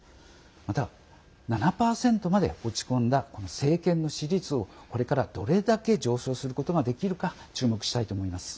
また７％まで落ち込んだこの政権の支持率をこれからどれだけ上昇することができるか注目したいと思います。